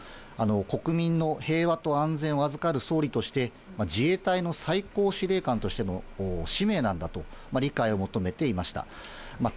国民の平和と安全を預かる総理として、自衛隊の最高司令官としての使命なんだと、理解を求めていました。